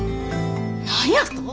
何やと！？